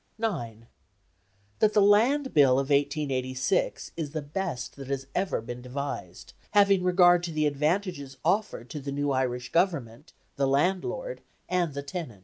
9. That the Land Bill of 1886 is the best that has ever been devised, having regard to the advantages offered to the new Irish Government, the landlord, and the tenant.